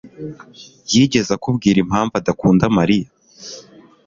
yigeze akubwira impamvu adakunda Mariya?